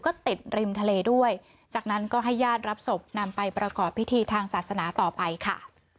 ก็ติดริมทะเลด้วยจากนั้นก็ให้ญาติรับศพนำไปประกอบพิธีทางศาสนาต่อไปค่ะ